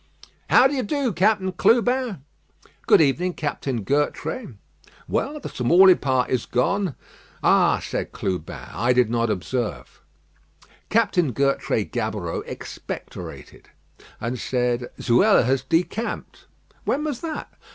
"How d'ye do, Captain Clubin?" "Good evening, Captain Gertrais." "Well, the Tamaulipas is gone." "Ah!" said Clubin, "I did not observe." Captain Gertrais Gaboureau expectorated, and said: "Zuela has decamped." "When was that?"